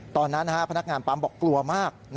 ตอนนั้นพนักงานปั๊มบอกกลัวมาก